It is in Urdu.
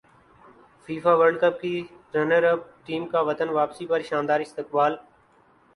فیفاورلڈ کپ کی رنراپ ٹیم کا وطن واپسی پر شاندار استقبال